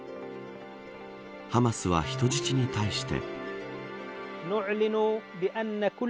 ハマスは人質に対して。